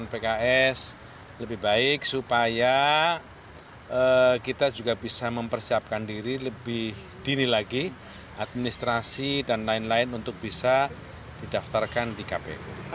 pks lebih baik supaya kita juga bisa mempersiapkan diri lebih dini lagi administrasi dan lain lain untuk bisa didaftarkan di kpu